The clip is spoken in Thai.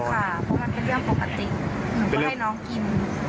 เพราะมันเป็นเรื่องปกติหนูก็ให้น้องกิน